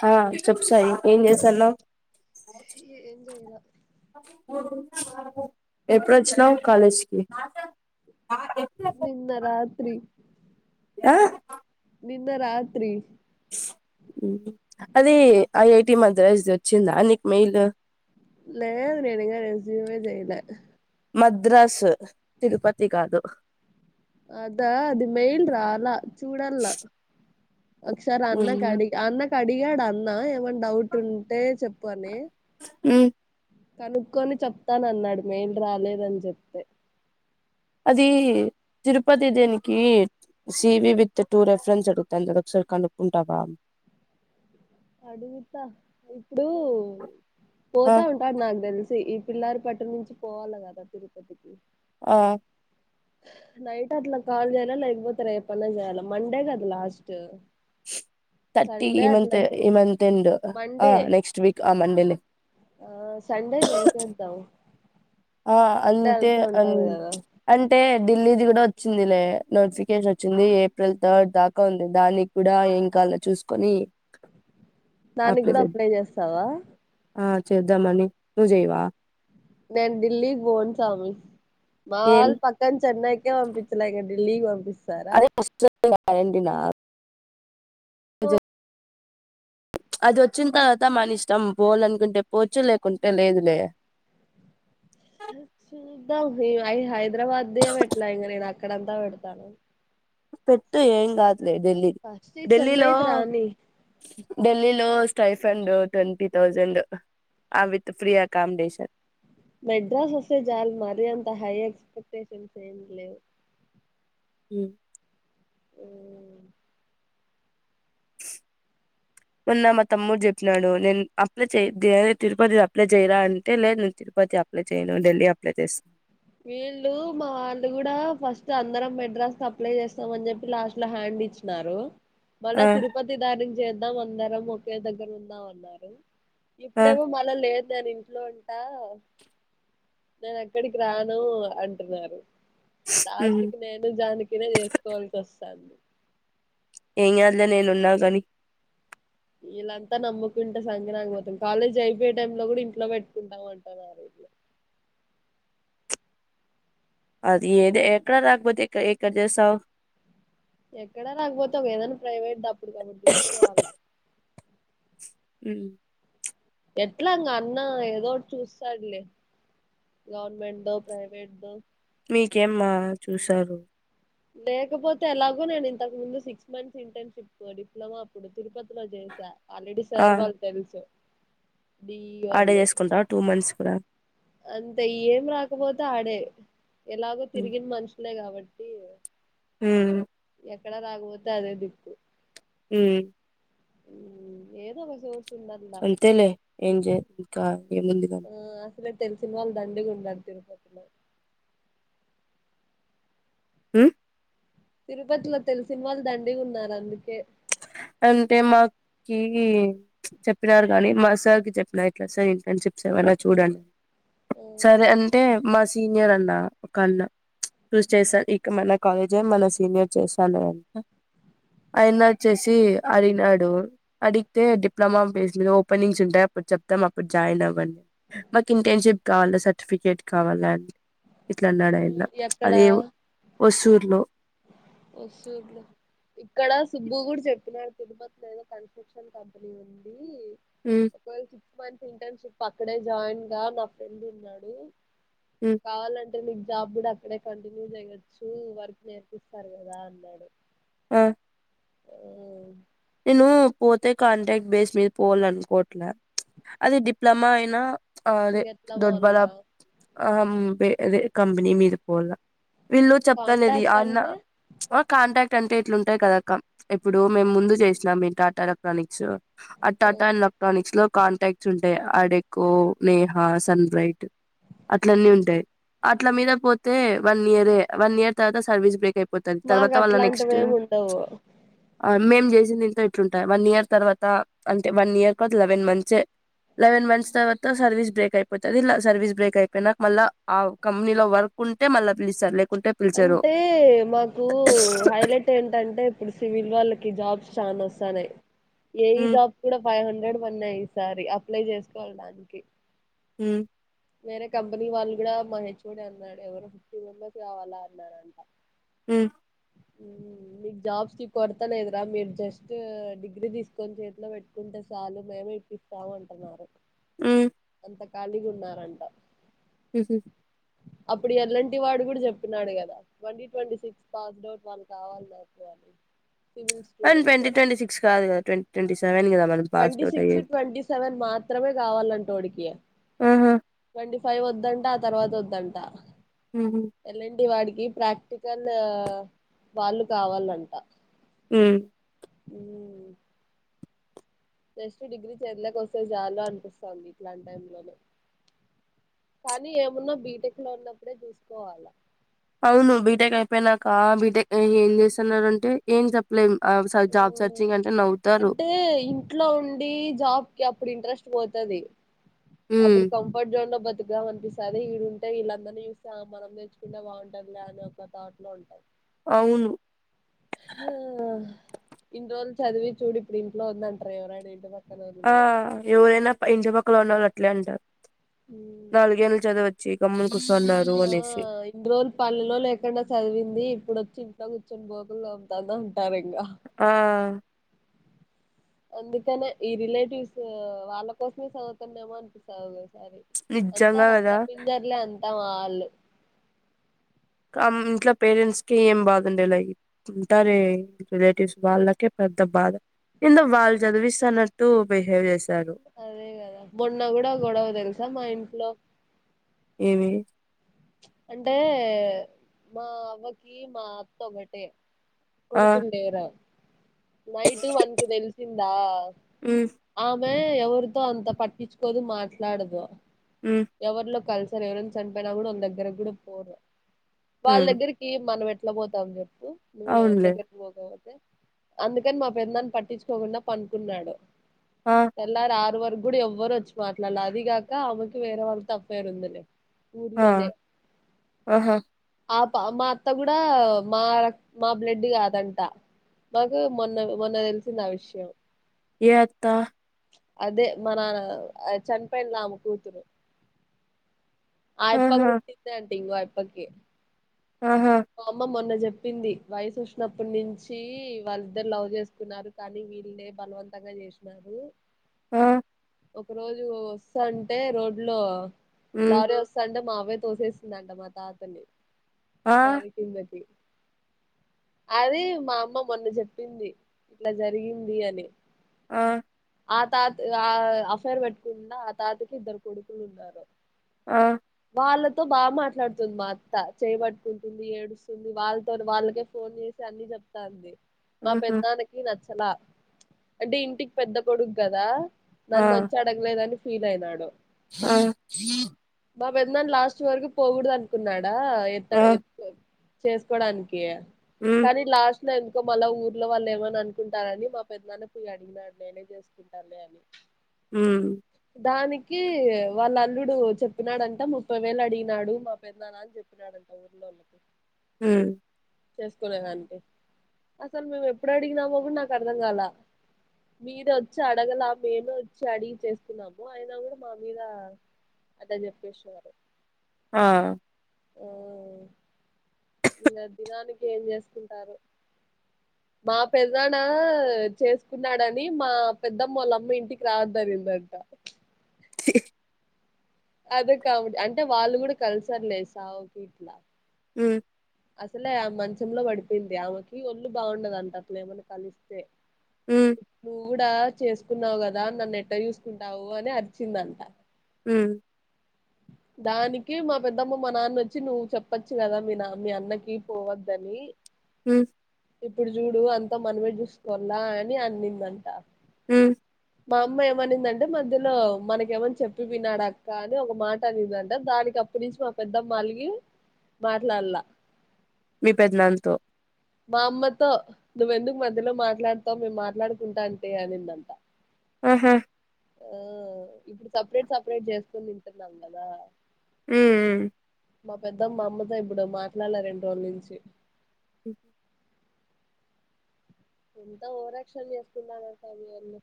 హా చెప్పు సాయి ఏం చేశాన్నావ్ ఏం చేయలే ఎప్పుడొచిన్నవ్ కాలజ్కి నిన్న రాత్రి ఆ నిన్న రాత్రి అదే ఐఐటి మద్రాస్ వచ్చిందా నీకు మెయిల్ లేదు నేను ఇంకా రేసుమే చేయలే మద్రాసు తిరుపతి కాదు అదా అది మెయిల్ చూడలా ఒక్కసారి అన్న కాడి మ్మ్ అన్న కడిగాడ అన్న ఎమ డౌట్ ఉంటే చెప్ [unintelligible] ఉమ్ కనుక్కొని చెప్తానన్నాడు మెయిల్ రాలేదని చెప్తే ఇది తిరుపతి దీనికి సివి విత్ టూ రెఫరెన్స్ అడుగుతాంది ఒకసారి కనుక్కుంటావా అడుగుత ఇపుడు ఆ పోతా ఉంటాడు నాకు తెలిసి పిల్లారి పట్టు నుంచి పోవాలి కదా తిరుపతికి ఆ నైట్ అట్లా కాల్ చేయాల లేయికపోతా రెప్పన్న చేయాలా మండే కదా లాస్ట్ థర్టీ సండే ఈ మంత్ అట్లా ఈ మంత్ ఎండ్ ఆ మండే నెక్స్ట్ వీక్ ఆ మండేనే ఆ సండే చేసేద్దాం ఆ సండే అంతే అంతా అ ఉంటది కదా అంటే ఢిల్లీది కూడా వచ్చిందిలే, నోటిఫికేషన్ వచ్చింది ఏప్రిల్ థర్డ్ దాకా ఉంది దానికి కూడా ఏం కావాలో చూసుకొని దానికి ఆ! కూడా చే అప్లై చేస్తావా ఆ చేద్దామని నువ్వు చెయవా నే దిల్లీకి బోన్ సామి ఏం మావాళ్ళు పక్కన చెన్నైకే పంపించలే ఇంక ఢిల్లీకి పంపిస్తారా గ్యారెంటీనా పజ అది వచ్చిన తర్వాత మన ఇష్టం పోవాలనుకుంటే పోవచ్చు లేకుంటే లేదు లే చూద్దాం ఇంకా హై హైదరాబాద్దే పెట్టలే ఇంకా నేను అక్కడంతా పెడతానా పెట్టు ఏం కాదు లే డెల్లీ ఫస్ట్ ఈ ఢిల్లీలో చెన్నైకి రాని ఢిల్లీ లో టైఫండ్ ట్వంటీ థౌసండ్ ఆ విత్ ఫ్రీ అకామిడేషన్ మెడ్రాస్ షన్ ఏం లేవ్ మ్ ఊ ఉన్న మా తమ్ముడు చెప్పినాడు, నేను అప్లై చే తిరుపతి అప్లై చేయరా అంటే లేదు నేను తిరుపతి అప్లై చేయను ఢిల్లీ అప్లై చేస్తా వీళ్ళు మా వాళ్ళు కూడా ఫస్ట్ అందరం మెడ్రాస్ అప్లై చేస్తాం అని చెప్పి లాస్ట్ లో హ్యాండ్ ఇచ్చినారు మల్ల ఆ తిరుపతి దానీ చేద్దాం అందరం ఒకే దగ్గర ఉందాం అన్నారు ఆ ఇప్పుడేవో మళ్ళ లేదు దాని ఇంట్లో ఉంటా నేను ఎక్కడికి రాను అంటున్నారు ఉహు లాస్ట్ కి నేను జానకినే చేసుకోవాల్సి వస్తాంది ఏం కాదు లే నేను ఉన్న కానీ వీళ్ళంతా నమ్ముకుంటే సంకనాకిపోతం, కాలేజీ అయిపోయే టై లో కూడా ఇంట్లో పెట్టుకుంటాం అంటన్నారు ఇట్లు అది ఏది ఎక్కడ రాకపోతే ఎ ఎక్కడ చేస్తావు ఎక్కడ రాకపోతే ఒగా ఏదనా ప్రైవేట్ డబ్బ అప్పుడుకు అప్పుడు చుసుకోవాల హు ఎట్లాంగా అన్న ఏదో ఒకటి చూస్తాడులే గవర్నమెంట్ దో ప్రైవేట్ దో మీకేమ్మా చూసారు లేకపోతే ఎలాగో నేను ఇంతకు ముందు సిక్స్ మంత్స్ ఇంటర్న్షిప్ డిప్లొమా అప్పుడు తిరుపతిలో చేసా ఆల్రెడీ ఆ సార్ వాళ్ళు తెలుసు డిఈ ఆడే చేసుకుంటావ టూ మంత్స్ కూడా అంత ఏం రాకపోతే ఆడే ఎలాగో తిరిగిన మనుషులే కాబట్టి [unintelligible] హ్మ్ ఎక్కడ రాకపోతే అదే దిక్కు హ్మ్ ఏదో వసు అంతేలే ఏంజ త ఏ ముందు ల ఆ తెలిసిన వాళ్లు దండిగా ఉన్నారు తిరుపత లో మ్మ్ తిరుపతిలో తెలిసిని వాళ్ళు దండిగా ఉన్నారు అందుకే అంటే మాకి చెప్పినారు కాగానీ మా సార్కి చెప్పినారు ఎట్లా సార్ ఇంటర్న్షిప్స్ ఏమైనా చూడండి సరే అంటే మా సీనియర్ అన్న ఒకన్న చూజ చేసాను ఇక మన కాలేజే మన సీనియర్ చేశాను అ అయన చ్చసి అడినడు అడిగితే డిప్లొమా పేజ్ ఓపెనింగ్స్ ఉంటాయి అప్పుడు చెప్తాం అప్పుడు జాయిన్ అవ్వండి మాకు ఇంటర్న్షిప్ కావాల సర్టిఫికేట్ కావాల న్నాడా అయిన ఎక్కడ అదే ఒసూర్లో ఇక్కడ సుబ్బు కూడా చెప్తునడు తిరుపతిలో ఏదో కన్స్ట్రక్షన్ కంపెనీ ఉంది మ్మ్ ఒక సిక్ మంత ఇంటర్న్షిప్ అక్కడే జాయిన్ గా నా ఫ్రెండ్ ఉన్నాడు మ్మ్ కావాలండి మీకు జాబ్ కూడా అక్కడే కంటిన్యూ చేయొచ్చు వర్క్ నే ఇస్తారు కదా అన్నాడు ఆ ఓ ను పోతే కాంట్రాక్ట్ బేస్ మీద పోవాల అనుకోట్లే అది డిప్లొమా అయినా అ అదే ఇంకెట్లా దొడ్ పోవాల్ల బాడా ఆబే అ కంపేనీ మీద పోల వీళ్ళు చెప్తలేదు కాంటాక్ట్ అన్న అంటే కాంటాక్ట్ అంటే ఇట్లుంటాయి కదక్క ఇప్పుడు మేము ముందు చేసి ఇబ టాట ఎలక్ట్ర్రానిక్స్ ఆ టాటా ఎలెక్ట్రోనిక్స్ లో కాంటాక్ట్స్ ఉంటాయి అడెకో నేహా సన్ బ్రైట్ అట్లన్న ఉంటాయి అట్ల మీద పోతే వన్ ఇయర వన్ ఇయర్ తర్వాత సర్వీస్ బ్రేక్ అయిపో పోతుంది మాకు తర్వాత వాళ్ళ అట్లాంటివి నెక్స్ట్ ఏమి ఉండవు మేం ఎమ్చేసింది ఎలుంటాయి వన్ ఇయర్ తర్వాత అంటే వన్ ఇయర్ త లెవెన్ మంత్సే లెవెన్ మంత్స్ తర్వాత సర్వీస్ బ్రేక్ అయిపోతుంది సర్వీస్ బ్రేక్ అయిపోయినాక మళ్ళ ఆ కంపెనీ లో వర్క్ ఉంటే మళ్ళీ పిలుస్తారు లేకుంటే పిలిచరు అంటే మాకు హైలైట్ ఏంటంటే ఇప్పుడు సివిల్ వాళ్ళకి జాబ్స్ చాన వస్తానయి ఏయి ఉమ్ జాబ్స్ కూడా ఫైవ్ంహడ్రె హ్రెడ్ పడినయి ఈ సారి అప్లై చేసుకోవాలిదానికి హు వేరే కంపెనీ వాళ్ళు కూడా మా హెచ్ఓడి అన్నాడు ఎవరో ఫిఫ్టీ మెంబెర్స్ కావాలా అన్నారంట హు మీకు జాబ్స్కి కొరతా లేదురా మీరు జస్ట్ డిగ్రీ తీసుకొని చేతిలో పెట్టుకుంటే చాలు మేమే ఇప్పిస్తాము అంటున్నారు హు ట్లా కాళీగున్నారు కంట హ అప్పుడు ఎలాంటి వాడు కూడా చెప్పినాడు కదా twenty twenty six passed out వాళ్ళు కావాలి మాకు అని సివిల్ అ ట్వీ స్టూడెంట్స్ ట్వంటీ సిక్స్ కాదు కద ట్వీ ట్వంటీక్స్ ట్వంటీ సిక్స్ ట్వంటీ సెవెన్ మాత్రమే కావాలంట వాడికి ఆహా ట్వీ ఫైవ్ వద్దంట ఆ తర్వాత వద్దంట ఉహు ఎలాంటి వాడి కి ప్రాక్టికల్ వాళ్ళు కావాలంట హు ఉ జెస్ట్ డిగ్రీ చెందలకు వస్తే చాలు అనిపిస్తది ఇట్లాంటి టై లోనే కానీ ఏమున్నా బీటెక్ లో ఉన్నప్పుడే చూసుకోవాలా అవును బీటెక్ అయిపోయినాక బీటెక్ ఏం చేస్తున్నారు అంటే ఏం చెప్పలేం ఆ జాబ్ సెర్చింగ్ అంటే నవ్వుతారు అంటే ఇంట్లో ఉండి జాబ్కిి అప్పుడు ఇంట్రెస్ట్ పోతది ఉమ్ అప్పుడు కంఫర్ జోన్ లో బత్ తికం అనిపిస్తది ఇడుంటే వీళ్ళందరినీ చూస్తే ఆ మనం నేర్చుకుంటే బాగుంటుది లే అని ఒక తాట్ లో ఉంటది అవును ఆ ఇన్ని రోజులు చదివి చూడు ఇప్పుడు ఇంట్లో ఉందంటారు ఎవరైనా ఇంటి కొ ఆ ఎవరేనా పై ఇంటి పక్కన ఉన్నోళ్ళ అట్లే అంటారు నాలుగెల్లు చదివచ్చ చి గమ్ము ఆ ఇన్ని రోజులు పల్లెలో లేకుండా చదివింది ఇప్పుడు వచ్చి ఇ కూర్చుని బోతులు అమ్తాంద ఉంటారు ఇంగా ఆ అందుకనే ఈ రిలేటివ్స్ వాళ్ళ కోసమే చదువుతున్నామో అనిపిస్తాది నిజంగా కదా తా వాళ్ళు ఇంట్లో పేరెంట్స్కే ఏం బాధండడి లై ఉంటార రిలేటివ్స్ వాళ్ళకే పెద్ద బాధ ఇందో వాళ్ళు చదివిస్తానట్టు బిహేవ్ చేసి అదే గదా మొన్న కూడా గొడవతెల్సా మా ఇ లో ఏమి అంటే మా అవ్వకి మా అత్త ఒకటే ఆ కొడుకుల్లేరా నైట్ వన్ కి తెలిసింది నా హ్మ్ ఆమె ఎవరితో అంత పట్టించుకోదు మాట్లాడదు హ్మ్ ఎవర్లో కల్సి సరే ఎవరైన చనిపోయినా కూడా వాళ్ళ దగ్గరికి కూడా పోరు వాళ్ళ హ్మ్ దగ్గరికి మనం ఎట్ ఎట్ల పోతాం చెప్పు నువ్ ఎవరి అవునులే. దగ్గర్కి పోతావంటే అందుకని మా పెద్దనాన్న పట్టించుకోకుండా పనుకున్నాడు ఆ! తెల్లారి ఆరు వరక్ ఇప్పుడు ఎవరు వచ్చి మాట్లాడలే అది కాక ఆమెకు వేరే వాళ్ళతో అఫైర్ ఉంది లే ఆ! ఊర్లోనే ఆహా! ఆ మా అత్త కూడా మా ర మా బ్లడ్ కాదంట మాకు మొన్న మొన్న తెలిసింది ఆ విషయం ఏ అత్త అదే మానాన చనిపోయింది ఆమె కూతురు ఆయప్ప ఆహా! గుట్టిందే అంట ఇంయ [unintelligible] ఇప్పటికే ఆహా! మా అమ్మ మొన్న చెప్ చెప్పింది వయసు వచ్చినప్పటి నుంచి వాళ్ళిద్దరు లవ్ చేసుకున్నారు కానీ వీళ్ళే బలవంతంగా చేసినారు ఆ ఒక రోజు వస్తాంటే రోడ్ లో హ్మ్. లారీ వస్తాంటే మ అవ్వే తోసేసిందంట మా తాతని ఆ! దానికిందకి అది మా అమ్మ మొన్న చెప్పింది ఇట్లా జరిగింది అని ఆ ఆ తాత ఆ అఫైర్ పెట్టుకున్న ఆ తాతకి ఇద్దరు కొడుకులు ఉన్నారు ఆ! వాళ్ళ బాగా మాట్లాడుతుంది మా అత్త చేయబట్ ంటుంది ఏడుస్తుంది వాళ్ళతో వాళ్ళకే ఫోన్ చేసి అన్ని చెప్తాంది మా హుహు. పెద్దానన్నా కీ నచ్చ అలా అంటే ఇంటికి పెద్ద కొడుకు కదా ఆ! నన్న వచ్చాడగ్లేదని ఫీల్యినాడు ఆ! బాబ ఎందని లాస్ట్ వరకు పోకూడదు అనుకున్నాడా ఆ! చేసుకోవడానికి హ్మ్. కానీ లాస్ట్ ఇందుకో మళ్ళా ఊర్లో వాళ్ళు ఏమని అనుకుంటారని, మా పెద్దనాన్న పొయ్యి అడిగినాడు నేనే చేసుకుంటానే అని మ్ దానికి వాళ్ళ అల్లుడు చెప్పినాడంట ముప్పై వేలు అడిగినాడు మా పెద్దనాన్నా అని చెప్పినాడంట ఊరులో వాళ్ళకి మ్ చేసుకునేదడి అసలు మేము ఎప్పుడు అడిగినామో కూడా నాకు అర్ధం కాల, మీరూ వచ్చి అడగలా మేమే వచ్చి అడిగి చేసుకున్నాము, అయినా కూడా మా మీద అద చెప్పేసారు ఆ ఓ ఇ దినానికి ఏం చేసుకుంటారు, మా పెద్దనాన్న చేసుకున్నాడని మా పెద్దమ్మ వాళ్ళమ్మ ఇంటికి రావద్దరిగిందంట అదే కాబట్టి అంటే వాళ్ళు కూడా కలిసర్లేసా ఒక ఇట్లా మ్ అసలే మంచంలో పడిపోయింది, ఆమెకి ఒళ్ళు బాగుండద అంటే అప్పులు ఏమన్నా కలిస్తే మ్ నువ్వు కూడా చేసుకున్నావు కదా నన్ను ఎట్ట చూసుకుంటావు అని అరిచిందంట మ్ దానికి మా పెద్దమ్మ మా నాన్న వచ్చి నువ్వు చెప్పచ్చు కదా మీ నా మీ అన్నకి పోవద్దని మ్ ఇప్పుడు చూడు అంత మనమే చూసుకోవాలా అని అన్నిందంట మ్ మా అమ్మ ఏమనిందంటే మధ్యలో మనక ఏమని చెప్పి విన్నాడు అక్క అని ఒక మాటడిందంటే దానికి అప్పుటి నుంచి మా పెద్దమ్మ అలిగి మాట్లాడలా మీ పెద్ద నాన్నతో మా అమ్మతో నువ్వెందుకు మధ్యలో మాట్లాడుతావు మేము మాట్లాడుకుంటా అంటే అనిందంట ఆహా ఆ ఇప్పుడు సపరేట్ సపరేట్ చేసుకొని తింటున్నాం కదా మ్ మ్ మా పెద్దమ్మ మ అమ్మతో ఇప్పుడు మాట్లాడలే రెండు రోజుల నుంచి హ్మ్. ఎంత ఓవరాక్షన్ చేస్తున్నానంటడన్నా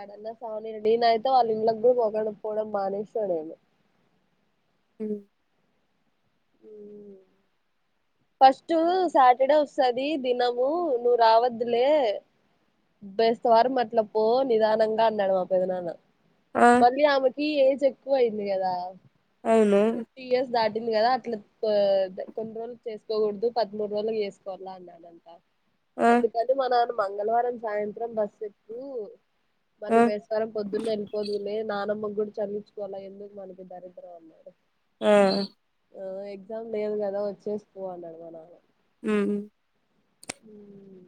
ఏడాన్నా సావని అయితే వాళ్ళ ఇంట్ళకి కూడా పొగడకపోవడం బాగానేస్తాడేను అ ఉ ఫస్ట్ సాటర్డే వస్తది దినము నువ్వు రావద్దులే బేస్తవారం అట్ల పో నిదానంగా అన్నాడు మా పెద నాన్న ఆ! మళ్ళీ ఆమె ఇ ఏజ్ ఎక్కువ అయింది కదా అవును. ఫిఫ్టీయర్స్ ధాట్ పంది కదా అట్లా కొన్ని రోజులు చేసుకోకూడదు పద్ముడూ రోజులుకి చేసుకోవాల అన్నాడంట ఆ! అందు కది మ నానమ్ మంగళవారం సాయంత్రం బస్ ఎక్కు మళ్ళ ఆ! బేసవారం పొద్దున్న వెళ్ళిపోదులే నానమ్మ కూడా చల్లిించుకోవాలి ఎందుకు మనకి దరిద్రం అన్నారు ఆ ఆ ఎగ్జామ్ లేదు కదా వచ్చేసి పో అన్నాడు మా నాన్న మ్మ్ మ్మ్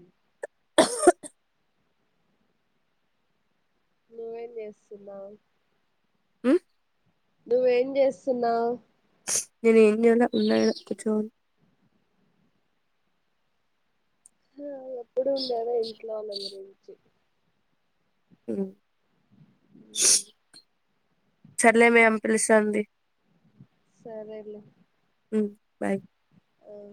నువ్వేం చేస్తున్నావ్ మ్మ్ నువ్వేం చేస్తున్నావ్ నేనెం చేయల ఉన్నా ఇడ కుచ్చోని మ్మ్ ఇప్పుడు ఉండేదా ఏ ఇట్లో వాళ్ళందరి గురించి చర్లే మేం పిలుసంది సరేలే రీ మ్మ్ బాయ్ అవు